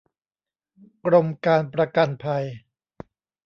กรมการประกันภัย